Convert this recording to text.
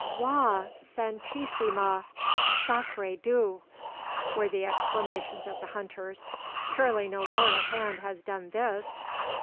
"Wagh! Santisima! Sacre Dieu!" were the exclamations of the hunters. "Surely no mortal hand has done this?"